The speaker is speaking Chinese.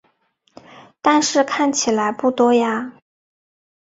但是看起来不多呀